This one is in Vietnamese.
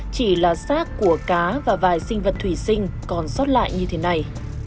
chỉ là sát của cá và vài sinh vật thủy sinh còn sót lại như thế này